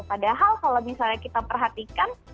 padahal kalau misalnya kita perhatikan